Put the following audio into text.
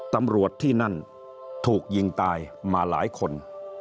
ตำรวจที่นั่นถูกยิงตายมาหลายคน